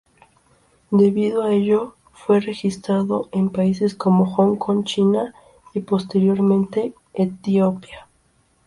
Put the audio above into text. Debido a ello fue registrado en países como Hong Kong, China y posteriormente Etiopía.